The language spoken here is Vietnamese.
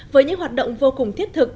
với những hoạt động vô cùng thiết thực